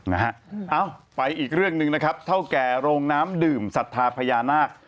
เอ้าไปอีกเรื่องหนึ่งนะครับเท่าแก่โรงน้ำดื่มศรัทธาพญานาค